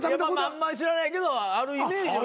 あんまり知らないけどあるイメージは。